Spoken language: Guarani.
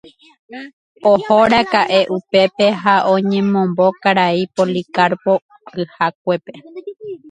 Ohóraka'e upépe ha oñemombo karai Policarpo kyhakuépe